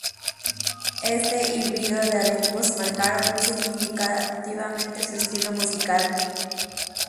Este híbrido de ritmos marcaron significativamente su estilo musical.